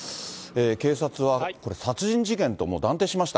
警察はこれ、殺人事件ともう断定しました。